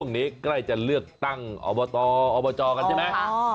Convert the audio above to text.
ใกล้จะเลือกตั้งอบตอบจกันใช่ไหม